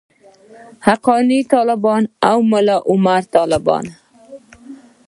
حقاني طالبان او ملاعمر طالبان.